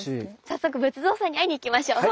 早速仏像さんに会いに行きましょう。